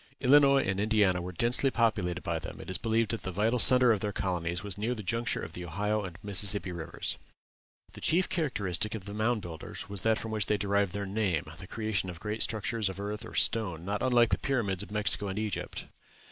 Illinois and Indiana were densely populated by them: it is believed that the vital centre of their colonies was near the junction of the Ohio and Mississippi rivers. The chief characteristic of the Mound Builders was that from which they derived their name the creation of great structures of earth or stone, not unlike the pyramids of Mexico and Egypt.